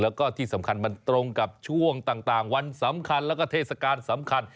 แล้วก็ที่สำคัญมันตรงกับช่วงต่างวันสำคัญแล้วก็เทศกาลสำคัญ